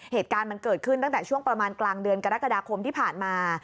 เหตุการณ์มันเกิดขึ้นตั้งแต่ช่วงประมาณกลางเดือนกรกฎาคมที่ผ่านมา